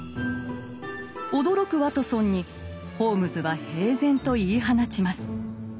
驚くワトソンにホームズは平然と言い放ちます。